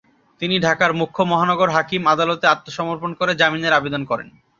তিনি ঢাকার মুখ্য মহানগর হাকিম আদালতে আত্মসমর্পণ করে জামিনের আবেদন করেন।